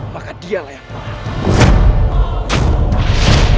maka dialah yang terakhir